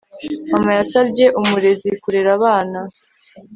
mama yasabye umurezi kurera abana